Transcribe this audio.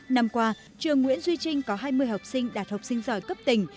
năm qua trường nguyễn duy trinh có hai mươi học sinh đạt học sinh giỏi cấp tỉnh